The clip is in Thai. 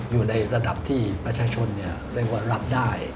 อยู่ในระดับที่ประชาชนเรียกว่ารับได้